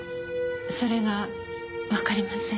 それがわかりません。